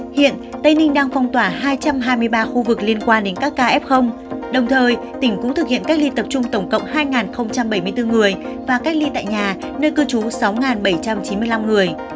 hiện tây ninh đang phong tỏa hai trăm hai mươi ba khu vực liên quan đến các ca f đồng thời tỉnh cũng thực hiện cách ly tập trung tổng cộng hai bảy mươi bốn người và cách ly tại nhà nơi cư trú sáu bảy trăm chín mươi năm người